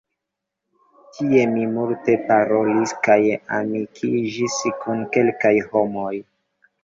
Tie mi multe parolis kaj amikiĝis kun kelkaj homoj.